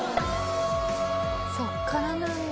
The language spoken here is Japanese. そこからなんだ。